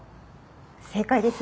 正解です。